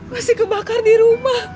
pasti kebakar di rumah